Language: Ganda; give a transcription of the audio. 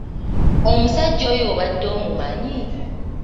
Omusajja oyo obadde omumanyi?